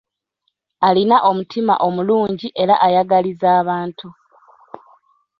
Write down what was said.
Alina omutima omulungi era ayagaliza abantu.